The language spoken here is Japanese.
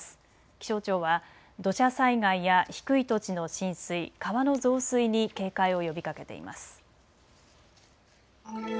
気象庁は土砂災害や低い土地の浸水、川の増水に警戒を呼びかけています。